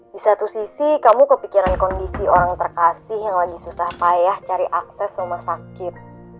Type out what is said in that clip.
di satu sisi kamu kepikiran kondisi orang terkasih yang lagi susah payah cari akses rumah sakit